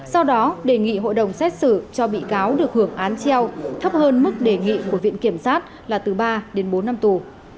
sau đó đề nghị hội đồng xét xử cho bị cáo được hưởng án treo thấp hơn mức đề nghị của viện kiểm sát là từ ba đến bốn năm tù